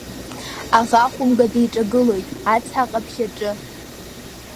Аӷа хәымга диҿагылоит Ацҳа Ҟаԥшь аҿы.